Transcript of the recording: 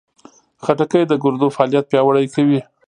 خټکی د ګردو فعالیت پیاوړی کوي.